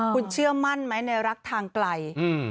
คุณเชื่อมั่นไหมในรักทางไกล